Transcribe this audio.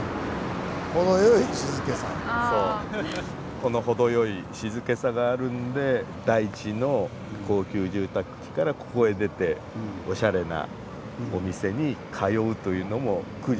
この「ほどよい静けさ」があるんで台地の高級住宅地からここへ出ておしゃれなお店に通うというのも苦じゃないということですね。